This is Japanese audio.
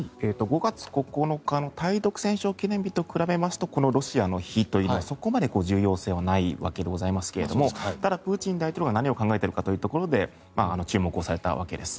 ５月９日の対独戦勝記念日と比べますとこのロシアの日というのはそこまで重要性はないわけでございますがただ、プーチン大統領が何を考えているかというところで注目されたわけです。